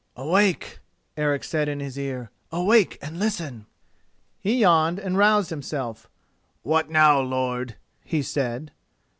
"Awake!" Eric said in his ear, "awake and listen!" He yawned and roused himself. "What now, lord?" he said.